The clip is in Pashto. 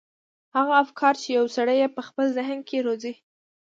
هغه افکار چې يو سړی يې په خپل ذهن کې روزي.